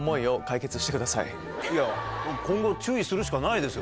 今後注意するしかないですよ